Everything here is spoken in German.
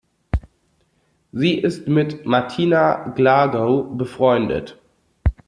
Sie ist mit Martina Glagow befreundet.